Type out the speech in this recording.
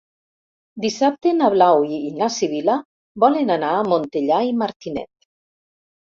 Dissabte na Blau i na Sibil·la volen anar a Montellà i Martinet.